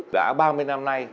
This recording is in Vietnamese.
đã ba mươi năm nay